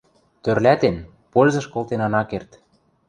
тӧрлӓтен, пользыш колтен ана керд.